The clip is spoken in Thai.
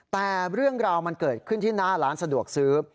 แต่เรื่องราวมันเกิดขึ้นที่หน้าร้านสะดวกซื้อ